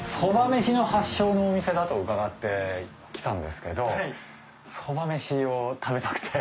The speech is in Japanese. めしの発祥のお店だと伺って来たんですけどそばめしを食べたくて。